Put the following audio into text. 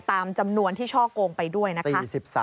ตามจำนวนที่ช่อกงไปด้วยนะคะ